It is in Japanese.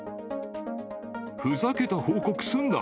ふざけた報告すんな。